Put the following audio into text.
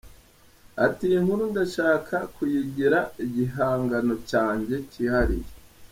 Ati “Iyi nkuru ndashaka kuyigira igihangano cyanjye cyihariye.